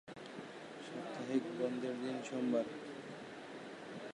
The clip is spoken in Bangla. সাপ্তাহিক বন্ধের দিন সোমবার।